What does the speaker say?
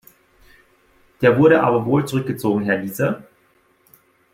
Der wurde aber wohl zurückgezogen, Herr Liese?